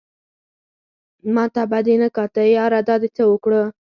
ماته به دې نه کاته ياره دا دې څه اوکړه